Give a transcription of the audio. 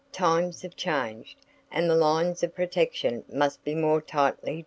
Times have changed, and the lines for protection must be more tightly drawn.